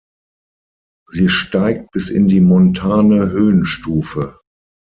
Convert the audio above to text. Sie steigt bis in die montane Höhenstufe.